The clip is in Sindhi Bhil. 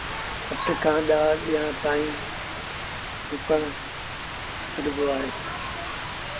اَٺ کآݩ ڏآه ڏيݩهآݩ تائيٚݩ تُويئي کي سُڪڻ لآ ڇڏبو اهي